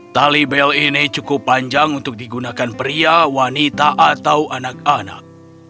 tali bel ini cukup panjang untuk digunakan pria wanita atau anak anak